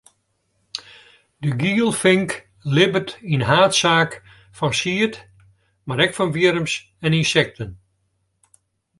De gielfink libbet yn haadsaak fan sied, mar ek fan wjirms en ynsekten.